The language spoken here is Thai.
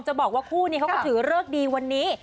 บอกว่าคู่นี้เขาก็ถือเลิกดีวันนี้